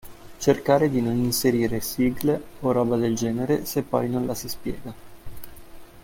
Cercare di non inserire sigle o roba del genere se poi non la si spiega.